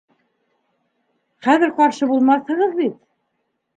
Хәҙер ҡаршы булмаҫһығыҙ бит?